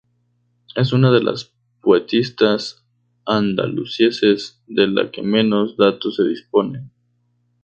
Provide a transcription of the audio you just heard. Es una de las poetisas andalusíes de la que menos datos se dispone.